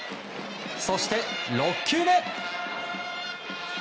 そして６球目。